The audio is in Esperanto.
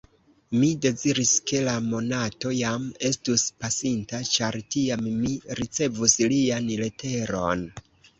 Mi deziris, ke la monato jam estus pasinta, ĉar tiam mi ricevus lian leteron.